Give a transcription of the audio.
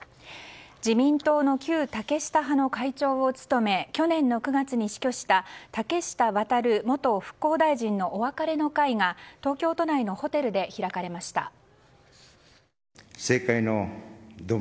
自民党の旧竹下派の会長を務め去年の９月に死去した竹下亘元復興大臣のお別れの会が東京都内にホテルで開かれました。